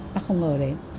bác không ngờ đấy